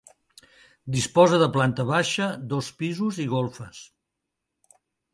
Disposa de planta baixa, dos pisos i golfes.